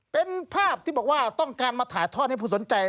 เป็นภาพที่บอกว่าต้องการมาถ่ายทอดให้ผู้สนใจ